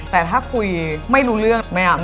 แต่ถ้าคุยไม่รู้เรื่องไม่อำ